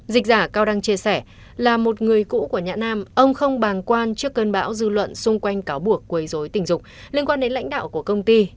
dịch giả cao đăng chia sẻ là một người cũ của nhã nam ông không bàng quan trước cơn bão dư luận xung quanh cáo buộc quấy dối tình dục liên quan đến lãnh đạo của công ty